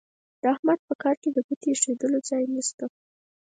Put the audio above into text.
د احمد په کار کې د ګوتې اېښولو ځای نه شته.